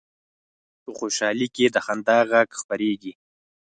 په خوشحالۍ کې د خندا غږ خپرېږي